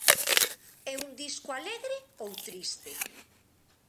É un disco alegre ou triste?